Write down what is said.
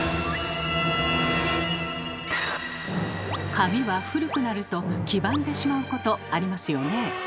紙は古くなると黄ばんでしまうことありますよね。